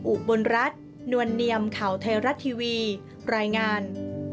อุบลรัฐนวลเนียมข่าวไทยรัฐทีวีรายงาน